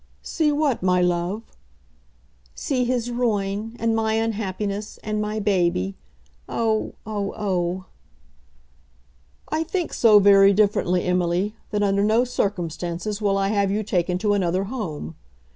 "See what, my love?" "See his ruin, and my unhappiness, and my baby. Oh, oh, oh!" "I think so very differently, Emily, that under no circumstances will I have you taken to another home.